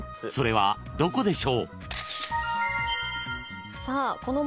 ［それはどこでしょう？］